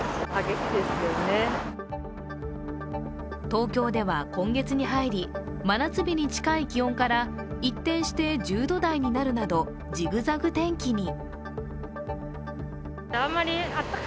東京では今月に入り、真夏日に近い気温から一転して１０度台になるなどジグザグ天気に。